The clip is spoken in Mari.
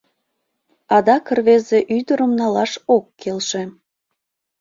Адак рвезе ӱдырым налаш ок келше.